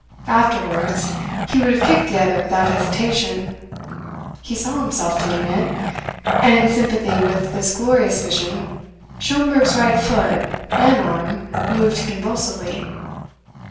Afterwards he would have kicked the other without hesitation. He saw himself doing it; and in sympathy with this glorious vision Schomberg's right foot, and arm moved convulsively.